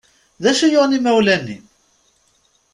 D acu i yuɣen imawlan-im?